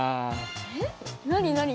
えっ何何？